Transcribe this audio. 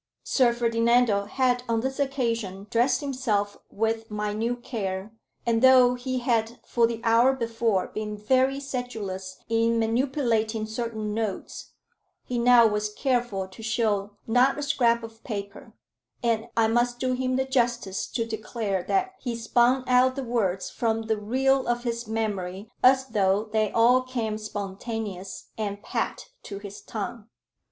Sir Ferdinando had on this occasion dressed himself with minute care; and though he had for the hour before been very sedulous in manipulating certain notes, he now was careful to show not a scrap of paper; and I must do him the justice to declare that he spun out the words from the reel of his memory as though they all came spontaneous and pat to his tongue.